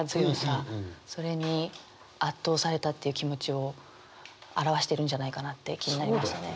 それに圧倒されたっていう気持ちを表してるんじゃないかなって気になりましたね。